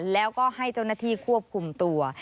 แล้วก็ให้เจ้าหน้าที่ควบคุมตัว